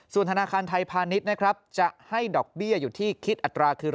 ส่วนธนาคารไทยพาณิชย์นะครับจะให้ดอกเบี้ยอยู่ที่คิดอัตราคือ